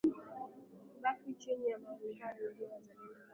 kubaki chini ya mamlaka ya Waindio wazalendo na